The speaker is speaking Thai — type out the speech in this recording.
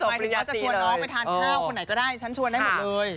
หมายถึงว่าจะชวนน้องไปทานข้าวคนไหนก็ได้ฉันชวนได้หมดเลย